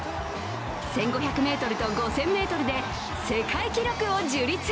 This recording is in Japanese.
１５００ｍと５０００ｍで世界記録を樹立。